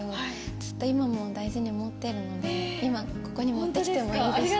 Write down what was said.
ずっと今も大事に持っているので、今、ここに持ってきてもいいですか。